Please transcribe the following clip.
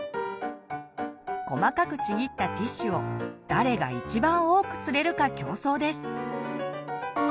細かくちぎったティッシュを誰が一番多く釣れるか競争です！